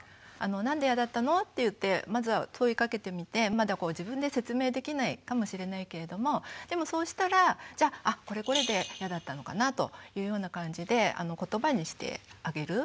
「なんでイヤだったの？」って言ってまずは問いかけてみてまだ自分で説明できないかもしれないけれどもでもそうしたらじゃあ「あこれこれでイヤだったのかな」というような感じでことばにしてあげる。